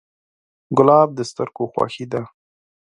ګلاب د سترګو خوښي ده.